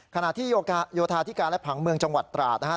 ขณะที่โยธาธิการและผังเมืองจังหวัดตราดนะครับ